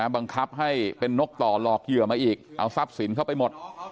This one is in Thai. บังคับให้เป็นนกต่อหลอกเหยื่อมาอีกเอาทรัพย์สินเข้าไปหมด